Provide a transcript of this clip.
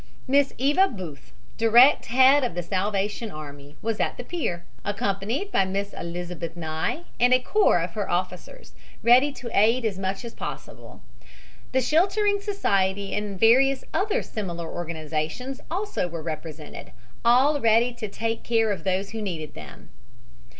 Miss Eva Booth, direct head of the Salvation Army, was at the pier, accompanied by Miss Elizabeth Nye and a corps of her officers, ready to aid as much as possible. The Sheltering Society and various other similar organizations also were represented, all ready to take care of those who needed them.